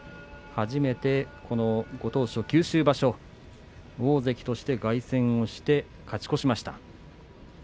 初めてご当所九州場所、大関として凱旋して勝ち越しました。